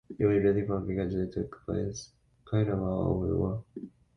It was really fun because it took place kind of all over the world.